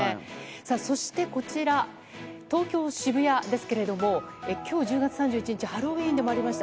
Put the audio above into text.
そしてこちら、東京・渋谷ですけれども、きょう１０月３１日、ハロウィーンでもありました。